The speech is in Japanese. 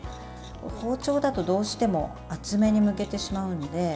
包丁だと、どうしても厚めにむけてしまうので。